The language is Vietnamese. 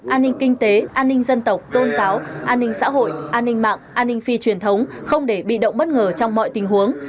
an ninh kinh tế an ninh dân tộc tôn giáo an ninh xã hội an ninh mạng an ninh phi truyền thống không để bị động bất ngờ trong mọi tình huống